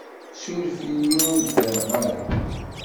Sureft-iyi ur d-fiɣeɣ ara.